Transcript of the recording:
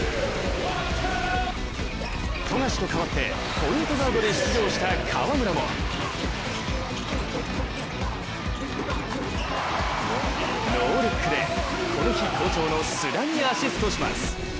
富樫と代わってポイントガードで出場した河村もノールックでこの日、好調の須田にアシストします。